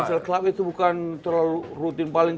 hasil club itu bukan terlalu rutin paling